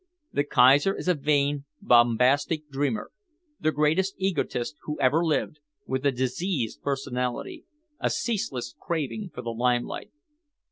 The Kaiser is a vain, bombastic dreamer, the greatest egotist who ever lived, with a diseased personality, a ceaseless craving for the limelight.